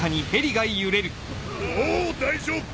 もう大丈夫。